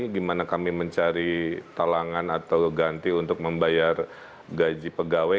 gimana kami mencari talangan atau ganti untuk membayar gaji pegawai